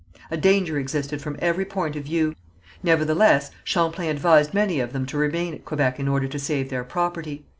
A danger existed from every point of view. Nevertheless, Champlain advised many of them to remain at Quebec in order to save their property.